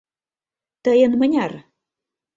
Тыйын мыняр?